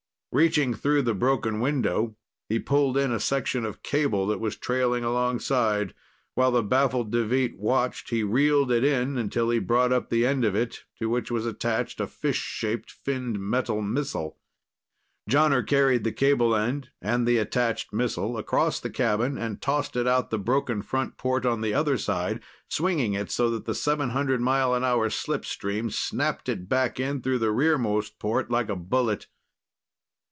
Reaching through the broken window, he pulled in a section of cable that was trailing alongside. While the baffled Deveet watched, he reeled it in until he brought up the end of it, to which was attached a fish shaped finned metal missile. Jonner carried the cable end and the attached missile across the cabin and tossed it out the broken front port on the other side, swinging it so that the 700 mile an hour slipstream snapped it back in through the rearmost port like a bullet.